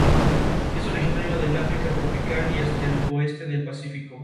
Tailandia cuenta con una variada vestimenta tanto para mujeres como para hombres y niños.